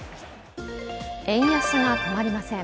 円安が止まりません。